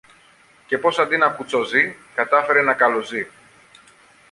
και πως αντί να κουτσοζεί, κατάφερε να καλοζεί.